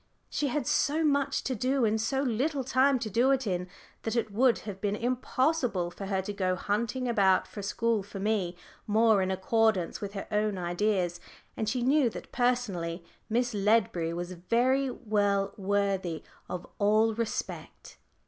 She had so much to do and so little time to do it in, that it would have been impossible for her to go hunting about for a school for me more in accordance with her own ideas. And she knew that personally Miss Ledbury was well worthy of all respect.